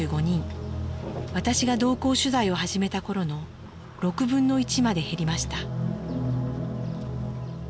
私が同行取材を始めた頃の６分の１まで減りました。